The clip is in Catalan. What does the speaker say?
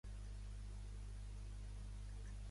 També va ser governador de Scilly.